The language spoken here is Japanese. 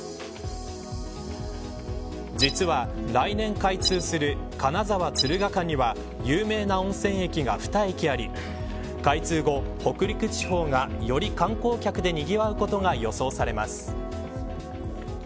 実は来年開通する金沢、敦賀間には有名な温泉駅が２駅あり開通後、北陸地方がより観光客でにぎわうことが予想されます。